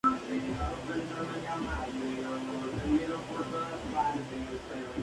Para hacer el amor como personas.